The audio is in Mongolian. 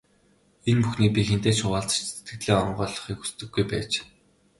Энэ бүхнийг би хэнтэй ч хуваалцаж, сэтгэлээ онгойлгохыг хүсдэггүй байж.